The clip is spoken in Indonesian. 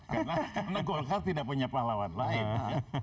karena golkar tidak punya pahlawan lain